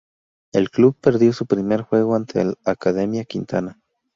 El club perdió su primer juego ante Academia Quintana.